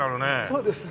そうですね。